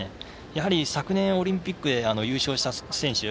やはり、昨年オリンピックで優勝した選手。